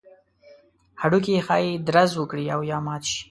هډوکي ښایي درز وکړي او یا مات شي.